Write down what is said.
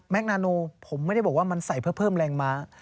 คนานูผมไม่ได้บอกว่ามันใส่เพื่อเพิ่มแรงม้า